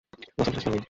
Loss Angeles Memorial.